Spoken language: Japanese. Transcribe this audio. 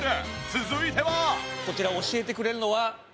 続いては。